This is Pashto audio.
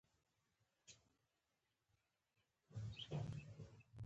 مرغدار ته په پښتو کې چرګان روزی وایي.